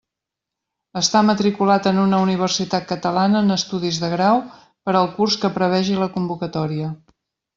Estar matriculat en una universitat catalana en estudis de grau per al curs que prevegi la convocatòria.